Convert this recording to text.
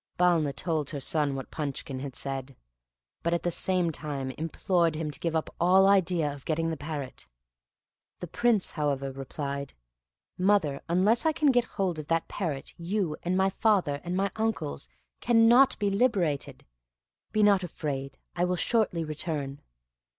Balna told her son what Punchkin had said; but at the same time implored him to give up all idea of getting the parrot. The Prince, however, replied, "Mother, unless I can get hold of that parrot, you, and my father, and uncles, cannot be liberated: be not afraid, I will shortly return.